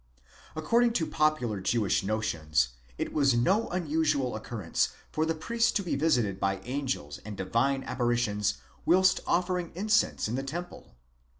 According to popular Jewish notions, it was no unusual occurrence for the priest to be visited by angels and divine apparitions whilst offering incense in the temple.